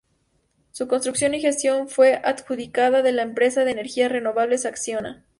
Su construcción y gestión fue adjudicada de la empresa de energías renovables Acciona.